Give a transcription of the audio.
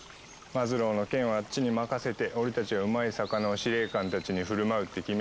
マズローの件はあっちに任せて俺たちはうまい魚を司令官たちに振る舞うって決めただろ。